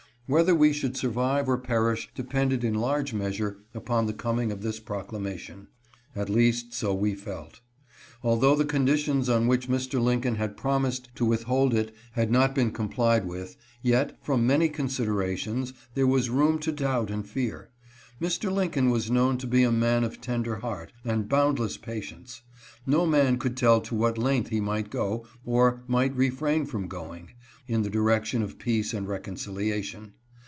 Whether we should survive or perish depended in large measure upon the coming of this proclamation. At least so we felt. Although the conditions on which Mr. Lincoln had prom ised to withhold it had not been complied with, yet, from many considerations, there was room to doubt and fear. Mr. Lincoln was known to be a man of tender heart, and boundless patience : no man could tell to what length he might go, or might refrain from going, in the direction of peace and reconciliation.